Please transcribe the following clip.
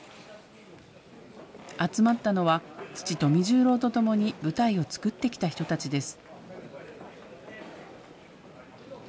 集まったのは、父、富十郎と共に舞台を作ってきた人たちです。